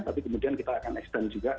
tapi kemudian kita akan extend juga